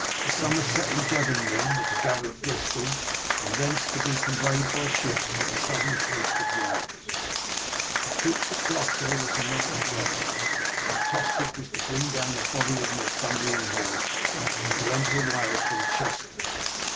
The Somerset and Devon men were to gather at Bristol, and thence to be conveyed by ships to the southern coast of Wales; the troops at Gloucester were to march west, and Tostig was to bring down a body of Northumbrian horse, and to enter Wales from Chester.